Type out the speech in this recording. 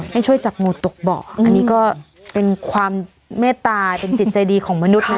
ให้ช่วยจับงูตกเบาะอันนี้ก็เป็นความเมตตาเป็นจิตใจดีของมนุษย์นะ